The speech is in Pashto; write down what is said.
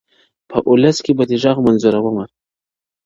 په اولس کي به دي ږغ «منظورومه »-